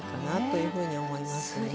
というふうに思いますね。